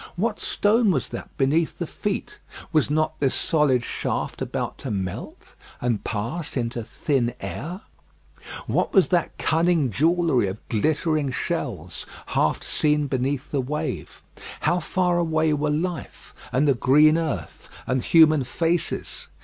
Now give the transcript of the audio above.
What stone was that beneath the feet? Was not this solid shaft about to melt and pass into thin air? What was that cunning jewellery of glittering shells, half seen beneath the wave? How far away were life, and the green earth, and human faces?